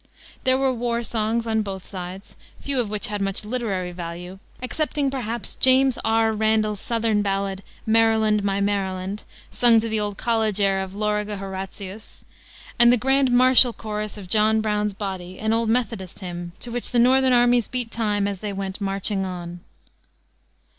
There were war songs on both sides, few of which had much literary value excepting, perhaps, James R. Randall's southern ballad, Maryland, My Maryland, sung to the old college air of Lauriger Horatius, and the grand martial chorus of John Brown's Body, an old Methodist hymn, to which the northern armies beat time as they went "marching on."